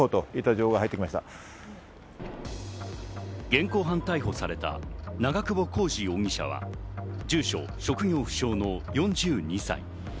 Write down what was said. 現行犯逮捕された長久保浩二容疑者は、住所職業不詳の４２歳。